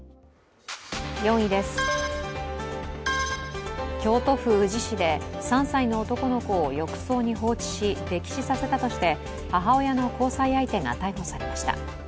４位です、京都府宇治市で３歳の男の子を浴槽に放置し溺死させたとして母親の交際相手が逮捕されました。